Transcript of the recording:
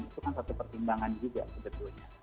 itu kan satu pertimbangan juga sebetulnya